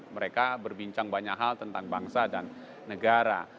mereka berbincang banyak hal tentang bangsa dan negara